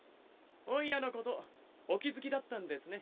オイラのことお気づきだったんですね。